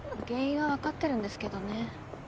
原因は分かってるんですけどね。